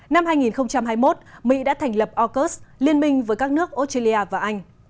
năm hai nghìn hai mươi một mỹ đã thành lập aukus liên minh với các nước australia và anh